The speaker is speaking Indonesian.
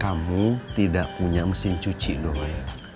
kamu tidak punya mesin cuci doi